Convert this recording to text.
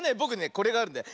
これがあるんだよ。